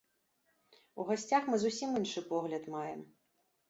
У гасцях мы зусім іншы погляд маем.